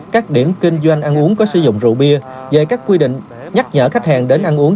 các điểm kinh doanh ăn uống có sử dụng rượu bia về các quy định nhắc nhở khách hàng đến ăn uống